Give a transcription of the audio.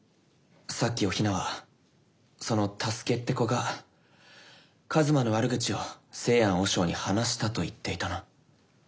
さっきお雛はその太助って子が一馬の悪口を清庵和尚に話したと言っていたな。